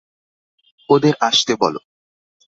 ওদের আসতে বলো।